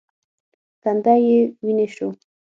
تندی یې ویني شو .